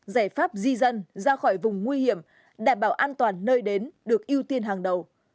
giải pháp di dân ra khỏi vùng nguy hiểm đảm bảo an toàn nơi đến được ưu tiên hàng đầu